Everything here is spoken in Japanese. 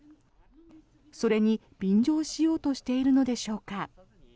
それに便乗しようとしているのでしょうか。